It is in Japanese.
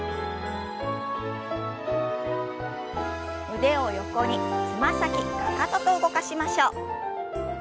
腕を横につま先かかとと動かしましょう。